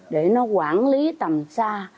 để nó quản lý tầm xa